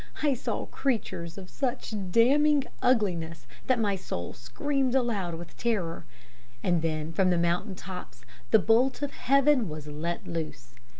I saw creatures of such damning ugliness that my soul screamed aloud with terror. And then from the mountain tops the bolt of heaven was let loose.